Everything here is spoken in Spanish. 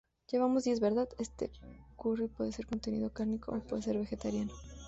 Este curry puede ser con contenido cárnico o puede ser vegetariano.